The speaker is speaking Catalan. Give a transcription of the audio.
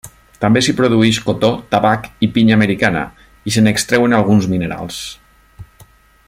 També s'hi produïx cotó, tabac i pinya americana i se n'extreuen alguns minerals.